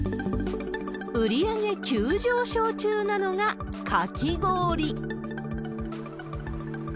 売り上げ急上昇中なのがかき氷。